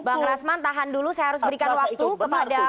bang rasman tahan dulu saya harus berikan waktu kepada